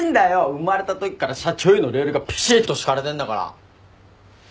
生まれたときから社長へのレールがぴしーっと敷かれてんだから。